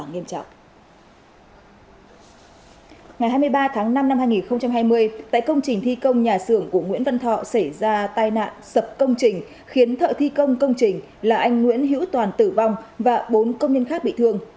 ngày hai mươi ba tháng năm năm hai nghìn hai mươi tại công trình thi công nhà xưởng của nguyễn văn thọ xảy ra tai nạn sập công trình khiến thợ thi công công trình là anh nguyễn hữu toàn tử vong và bốn công nhân khác bị thương